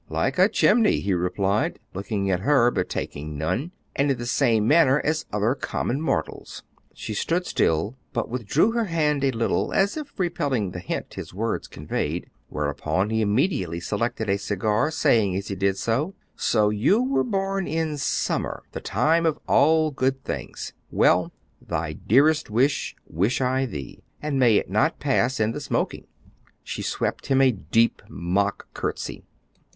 "Like a chimney," he replied, looking at her, but taking none, "and in the same manner as other common mortals." She stood still, but withdrew her hand a little as if repelling the hint his words conveyed; whereupon he immediately selected a cigar, saying as he did so, "So you were born in summer, the time of all good things. Well, 'Thy dearest wish, wish I thee,' and may it not pass in the smoking!" She swept him a deep, mock courtesy.